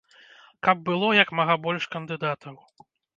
Каб было як мага больш кандыдатаў.